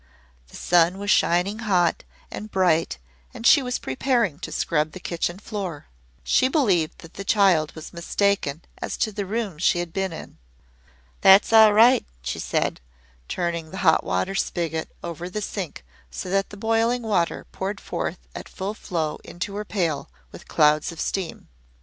The sun was shining hot and bright and she was preparing to scrub the kitchen floor. She believed that the child was mistaken as to the room she had been in. "That's all right," she said, turning the hot water spigot over the sink so that the boiling water poured forth at full flow into her pail, with clouds of steam.